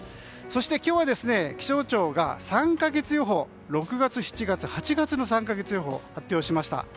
そして今日は気象庁が６月、７月、８月の３か月予報を発表しました。